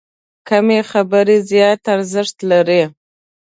کمې خبرې، زیات ارزښت لري.